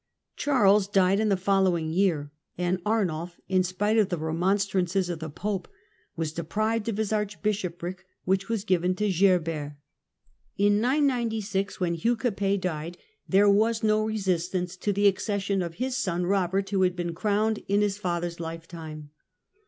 ^pharles died in the following year, and Arnulf, in spite of the remonstrances of the Pope, was deprived of his archbishopric, which was given to Gerbert. In 996, when Hugh Capet died, there was no resistance to the accession of his son Eobert, who had been crowned in his father's lifetime.